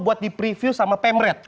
buat di preview sama pemret